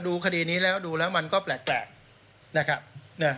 ดูคดีนี้แล้วดูแล้วมันก็แปลกแปลกนะครับเนี่ย